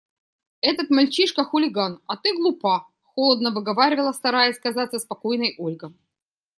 Этот мальчишка – хулиган, а ты глупа, – холодно выговаривала, стараясь казаться спокойной, Ольга.